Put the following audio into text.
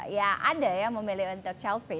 ya ada yang memilih untuk chalfing